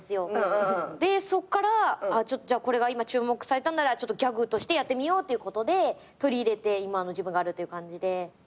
でそっからこれが今注目されたんならちょっとギャグとしてやってみようっていうことで取り入れて今の自分があるという感じで。